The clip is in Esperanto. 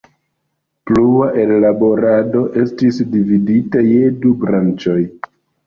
Plua ellaborado estis dividita je du branĉoj.